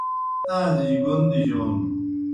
آݩزِجیْ گوْن دِجون